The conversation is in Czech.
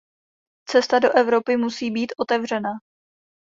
Cesta do Evropy musí být otevřená.